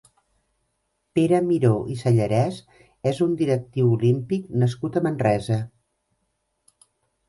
Pere Miró i Sellarés és un directiu olímpic nascut a Manresa.